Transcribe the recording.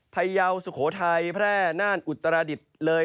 พยาวสุโขทัยแพร่น่านอุตรดิษฐ์เลย